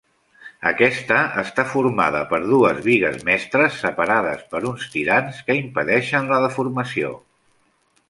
Aquesta està formada per dues bigues mestres separades per uns tirants que impedeixen la deformació.